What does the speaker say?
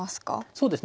そうですね。